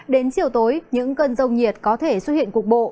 đến chiều tối những cơn rông nhiệt có thể xuất hiện cục bộ